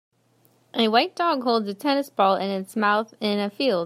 A white dog holds a tennis ball in its mouth in a field.